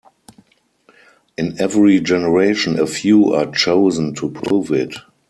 In every generation a few are chosen to prove it.